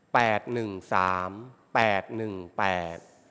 หนึ่งสามแปดหนึ่งแปด